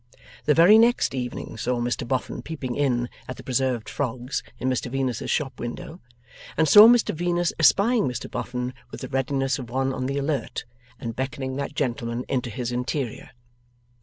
The very next evening saw Mr Boffin peeping in at the preserved frogs in Mr Venus's shop window, and saw Mr Venus espying Mr Boffin with the readiness of one on the alert, and beckoning that gentleman into his interior.